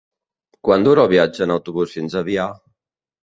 Quant dura el viatge en autobús fins a Avià?